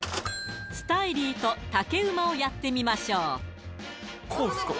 スタイリーと竹馬をやってみましょうこうですか？